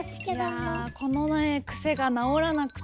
いやこのね癖が直らなくて。